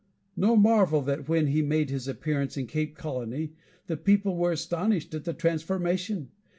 No marvel that when he made his appearance in Cape Colony, the people were astonished at the transformation!